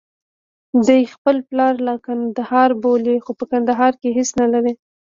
دی خپل پلار له کندهار بولي، خو په کندهار کې هېڅ نلري.